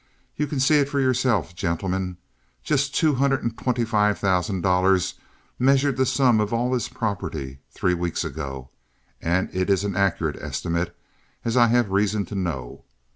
You can see it for yourselves, gentlemen. Just two hundred and twenty thousand dollars measured the sum of all his property three weeks ago; and it is an accurate estimate, as I have reason to know.